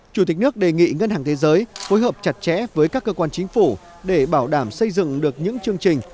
chủ tịch nước đề nghị ngân hàng thế giới phối hợp chặt chẽ với các cơ quan chính phủ để bảo đảm xây dựng được những chương trình